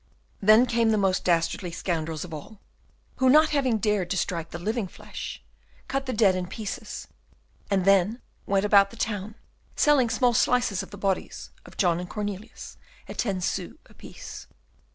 Then came the most dastardly scoundrels of all, who not having dared to strike the living flesh, cut the dead in pieces, and then went about the town selling small slices of the bodies of John and Cornelius at ten sous a piece.